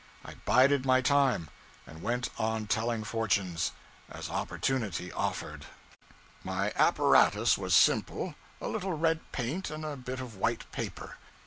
I bided my time, and went on telling fortunes, as opportunity offered. My apparatus was simple: a little red paint and a bit of white paper.